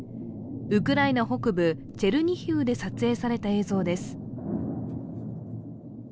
ウクライナ北部チェルニヒウで撮影された映像です。